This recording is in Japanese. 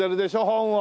本を。